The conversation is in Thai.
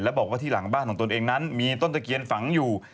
บอกว่าที่หลังบ้านของตนเองนั้นมีต้นตะเคียนฝังอยู่